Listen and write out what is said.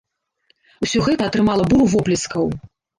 Усё гэта атрымала буру воплескаў.